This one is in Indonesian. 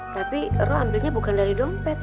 tapi ro ambilnya bukan dari dompet